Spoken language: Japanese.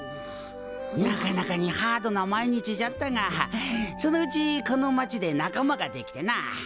なかなかにハードな毎日じゃったがそのうちこの町で仲間ができてな。